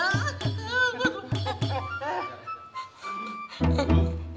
angin jadi gemuk